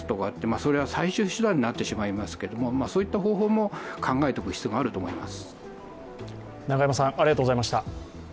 それは最終手段になってしまいますけど、そういった方法も考えておく必要があると思います。